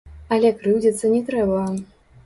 Але крыўдзіцца не трэба.